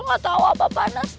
gak tau apa panas